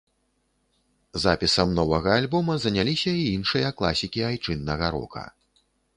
Запісам новага альбома заняліся і іншыя класікі айчыннага рока.